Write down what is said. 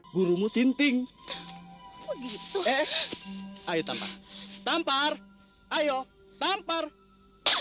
gurumu sinting begitu eh ayo tampar tampar ayo tampar